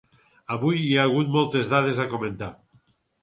Avui hi ha hagut moltes dades a comentar.